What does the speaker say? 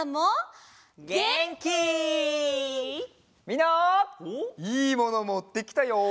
みんないいものもってきたよ！